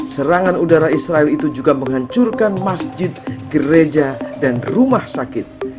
serangan udara israel itu juga menghancurkan masjid gereja dan rumah sakit